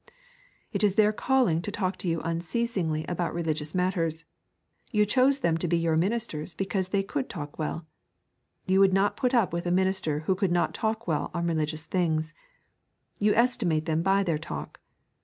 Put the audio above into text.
It is their calling to talk to you unceasingly about religious matters. You chose them to be your ministers because they could talk well. You would not put up with a minister who could not talk well on religious things. You estimate them by their talk.